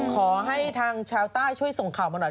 ขอให้ทางชาวใต้ช่วยส่งข่าวมาหน่อย